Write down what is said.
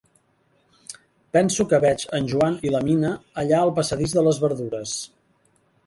Penso que veig en Joan i la Mina allà al passadís de les verdures.